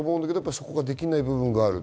そこができない部分がある。